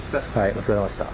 お疲れさまでした。